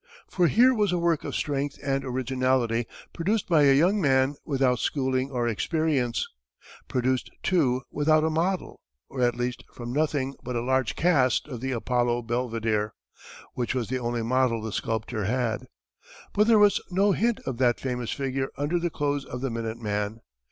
For here was a work of strength and originality produced by a young man without schooling or experience produced, too, without a model, or, at least, from nothing but a large cast of the "Apollo Belvidere," which was the only model the sculptor had. But there was no hint of that famous figure under the clothes of the "Minute Man."